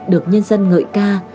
được nhân dân ngợi ca